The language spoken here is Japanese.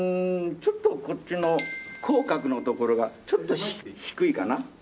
ちょっとこっちの口角のところがちょっと低いかな。